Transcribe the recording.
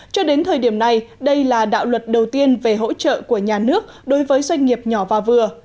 cho đến thời điểm này đây là đạo luật đầu tiên về hỗ trợ của nhà nước đối với doanh nghiệp nhỏ và vừa